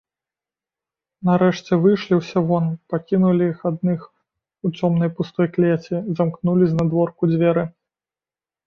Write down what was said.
Нарэшце выйшлі ўсе вон, пакінулі іх адных у цёмнай пустой клеці, замкнулі знадворку дзверы.